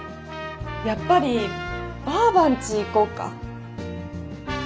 やっぱりばあばんち行こうか。